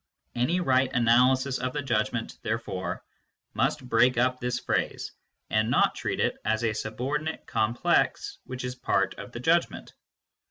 Any right analysis of the judgment, therefore, must break up this phrase, and not treat it as a subordinate complex which is part of the judgment.